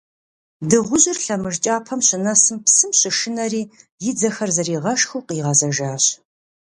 Дыгъужьыр лъэмыж кӀапэм щынэсым, псым щышынэри, и дзэхэр зэригъэшхыу къигъэзэжащ.